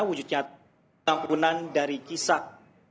wujudnya ampunan dari kisah